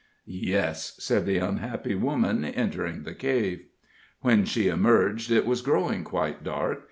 "Yes," said the unhappy woman, entering the cave. When she emerged it was growing quite dark.